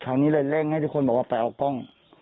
นี้เลยเร่งให้ทุกคนบอกว่าไปเอากล้อง